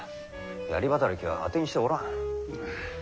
槍働きは当てにしておらん。